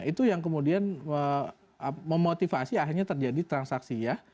itu yang kemudian memotivasi akhirnya terjadi transaksi ya